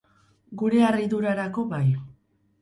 Gure harridurarako, bai.